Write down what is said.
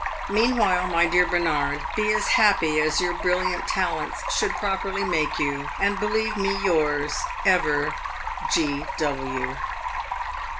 Meanwhile, my dear Bernard, be as happy as your brilliant talents should properly make you, and believe me yours ever, "G.W.